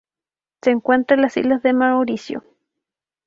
Se encuentra en las islas de Mauricio.